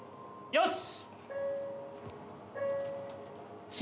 よし。